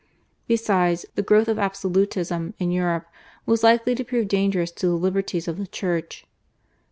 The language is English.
Besides, the growth of absolutism in Europe was likely to prove dangerous to the liberties of the Church.